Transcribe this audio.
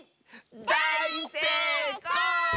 だいせいこう！